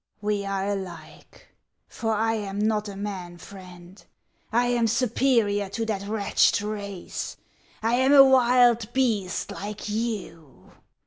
We are alike ; for I am not a man, Friend ; I am superior to that wretched race ; I am a wild beast like you.